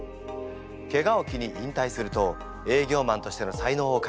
ケガを機に引退すると営業マンとしての才能を開花。